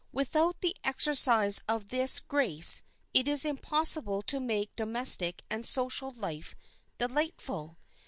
Without the exercise of this grace it is impossible to make domestic and social life delightful.